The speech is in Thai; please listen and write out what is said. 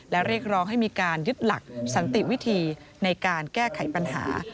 และเรียกร้องให้มีการยึดหลักสันติวิธีในการแก้ไขปัญหา